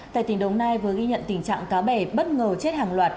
tại tình đồng này vừa ghi nhận tình trạng cá bè bất ngờ chết hàng loạt